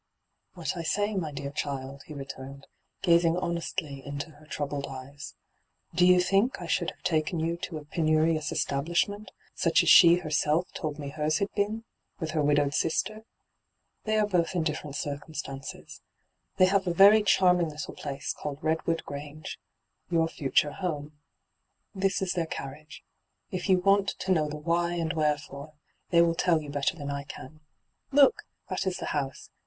' What I say, my dear child,' he returned, gazing honestiy into her troubled eyes. ' Do you think I should have taken you to a penurious establishment, such aa she herself hyGoo^lc ENTRAPPED 261 told me hers had been, with her widowed Bister ? They are both in different ciroum atancea. They have a very charming little place, called Redwood Grange — your future home. This is their carrit^. If you waot to know the why and wherefore, they will tell yoa better than I can. Look ! that is the house.